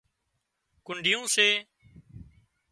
ڪنڍيون سي